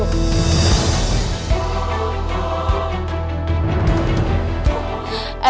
tidak ada apa apa